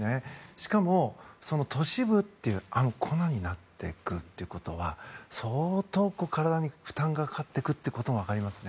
しかも、都市部で粉になっていくというのは相当体に負担がかかっていくということも分かりますね。